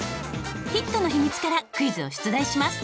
ヒットの秘密からクイズを出題します。